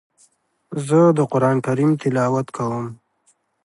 زه د قران کریم تلاوت کوم.